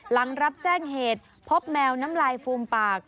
หลังรับแจ้งเหตุพบแมวน้ำลายฟูมปาก